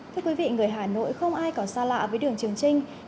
thưa quý vị người hà nội không hề sử dụng đường trục chính dân nơi đây